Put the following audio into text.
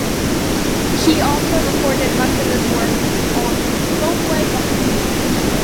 He also recorded much of his work on Folkways Records.